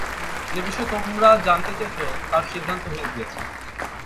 যে বিষয়ে তোমরা জানতে চেয়েছ তার সিদ্ধান্ত হয়ে গিয়েছে!